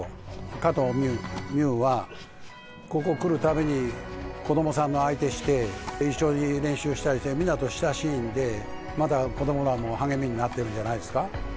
加藤未唯は、ここ来るたびに子どもさんの相手して、一緒に練習したりして、みんなと親しいんで、また子どもらの励みになってるんじゃないですか。